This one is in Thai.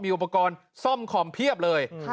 อุปกรณ์ซ่อมคอมเพียบเลย